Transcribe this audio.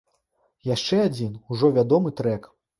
Яшчэ адзін ужо вядомы трэк.